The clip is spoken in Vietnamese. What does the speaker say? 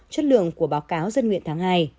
chất lượng của báo cáo dân nguyện tháng hai